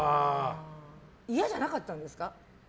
嫌じゃなかったんですか？